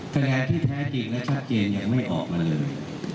แผลที่แท้จริงและชัดเจนยังไม่ออกมาเลย